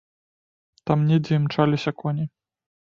Там недзе імчаліся коні.